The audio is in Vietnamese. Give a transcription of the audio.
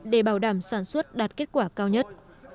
để bảo đảm sản xuất đạt kết quả cao nhất